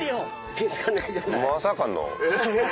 まさかの。